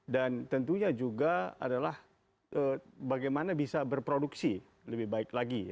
tentunya juga adalah bagaimana bisa berproduksi lebih baik lagi